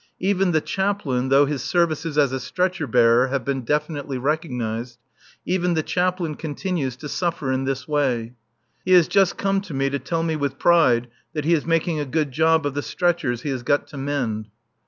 Even the Chaplain, though his services as a stretcher bearer have been definitely recognized even the Chaplain continues to suffer in this way. He has just come to me to tell me with pride that he is making a good job of the stretchers he has got to mend.